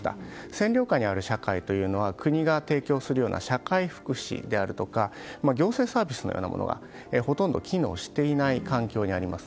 占領下にある社会は国が提供するような社会福祉であるとか行政サービスのようなものがほとんど機能していない環境にあります。